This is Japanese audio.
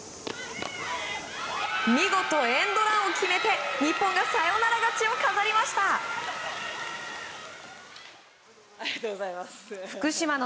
見事、エンドランを決めて日本がサヨナラ勝ちを飾りました。